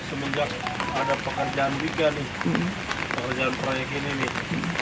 semenjak ada pekerjaan juga nih pekerjaan proyek ini nih